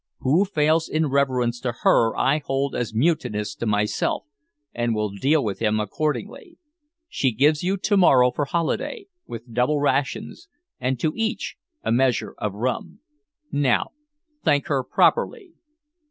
Who fails in reverence to her I hold as mutinous to myself, and will deal with him accordingly. She gives you to morrow for holiday, with double rations, and to each a measure of rum. Now thank her properly."